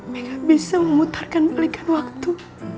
mereka bisa memutarkan balikan waktu